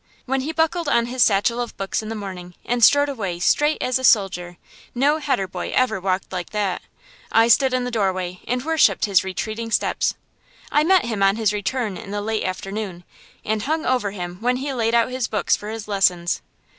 When he buckled on his satchel of books in the morning, and strode away straight as a soldier, no heder boy ever walked like that, I stood in the doorway and worshipped his retreating steps. I met him on his return in the late afternoon, and hung over him when he laid out his books for his lessons.